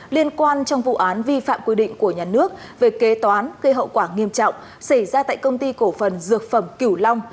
liên quan trong vụ án vi phạm quy định của nhà nước về kế toán gây hậu quả nghiêm trọng xảy ra tại công ty cổ phần dược phẩm kiểu long